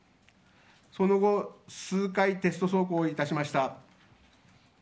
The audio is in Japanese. その後、数回テスト走行しました。